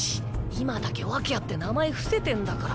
今だけ訳あって名前伏せてんだから。